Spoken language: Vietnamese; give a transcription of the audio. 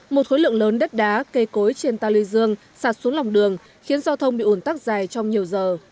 một khối lượng lớn đất đá cây cối trên ta lưu dương sạt xuống lòng đường khiến giao thông bị ủn tắc dài trong nhiều giờ